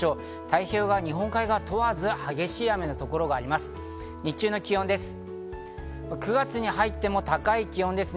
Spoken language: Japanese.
太平洋側、日本海側問わず激しい雨の所があります。